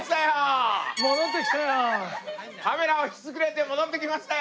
カメラを引き連れて戻ってきましたよ！